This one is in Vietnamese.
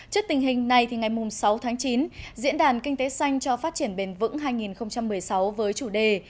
trước tình hình này ngày sáu tháng chín diễn đàn kinh tế xanh cho phát triển bền vững hai nghìn một mươi sáu với chủ đề